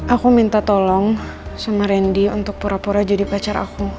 aku minta tolong sama randy untuk pura pura jadi pacar aku